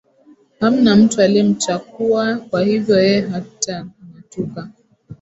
hamna mtu aliyemchakuwa kwa hivyo yeye hatang atuka